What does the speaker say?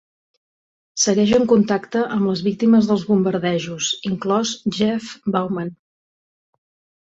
Segueix en contacte amb les víctimes dels bombardejos, inclòs Jeff Bauman.